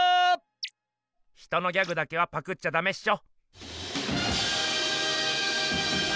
ヒトのギャグだけはパクっちゃダメっしょ。